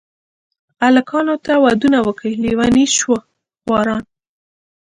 الکانو ته ودونه وکئ لېوني شوه خواران.